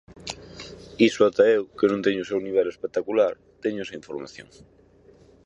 Iso ata eu, que non teño o seu nivel espectacular, teño esa información.